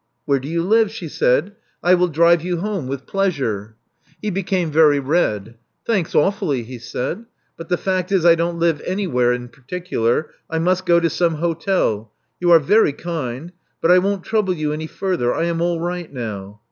Where do you live?" she said. I will drive you home with pleasure." He became very red. Thanks awfully," he said; but the fact is, I don't live anywhere in particular. I must go to some hotel. You are very kind; but I won't trouble you any further. I am all right now."